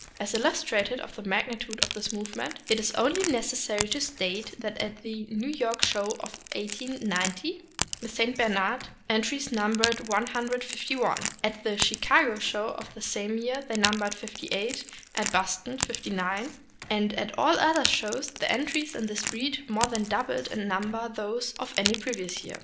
As illustrative of the magnitude of this movement, it is only necessary to state that at the New York show of 1890 the St. Bernard entries numbered 151; at the Chicago show of the same year they numbered 58; at Boston, 59; and at all the other shows the entries in this breed more than doubled in num ber those of any previous year.